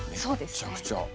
めっちゃくちゃ。